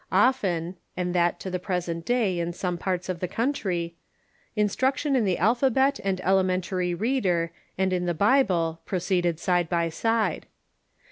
Often — and that to the present day in some parts of the country — instruction in the alphabet and elementary reader and in the Bible proceeded side by side.